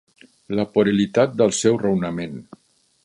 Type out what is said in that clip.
La puerilitat del seu raonament.